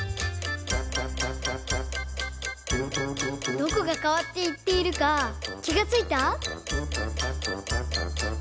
どこがかわっていっているかきがついた？